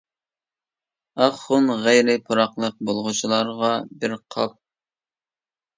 ئاق خۇن غەيرىي پۇراقلىق بولغۇچىلارغا بىر قاپ!